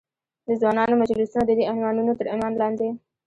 د ځوانانو مجلسونه، ددې عنوانونو تر عنوان لاندې.